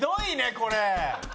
これ。